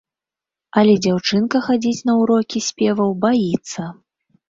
Але дзяўчынка хадзіць на ўрокі спеваў баіцца.